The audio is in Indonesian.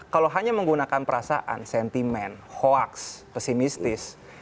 kalau hanya menggunakan perasaan sentimen hoax pesimistis